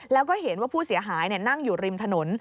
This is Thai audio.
แล้วก็เห็นว่าผู้เสียหายนั่งอยู่ริมถนน